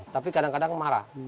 tapi kadang kadang marah